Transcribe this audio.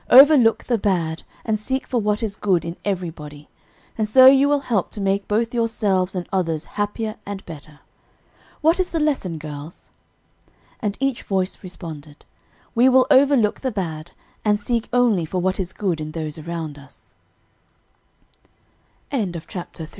Overlook the bad and seek for what is good in everybody; and so you will help to make both yourselves and others happier and better. What is the lesson, girls?" And each voice responded, "We will overlook the bad, and seek only f